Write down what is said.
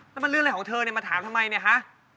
แล้วมันเรื่องอะไรของเธอเนี่ยมาถามทำไมเนี่ยคะ